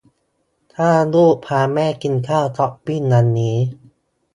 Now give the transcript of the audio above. ถ้าลูกพาแม่กินข้าวช้อปปิ้งวันนี้